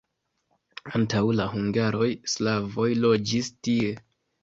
Antaŭ la hungaroj slavoj loĝis tie.